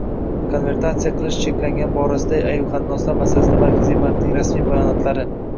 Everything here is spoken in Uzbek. Konvertatsiya qilish ceklangani ʙorasidagi ajjuhannoslar masalasida Markaziy ʙankning rasmij bayonotlari